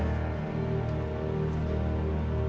kemet diletakkan membuat partai itu